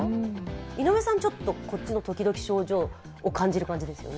井上さん、ちょっとこっちの時々症状を感じるんですよね。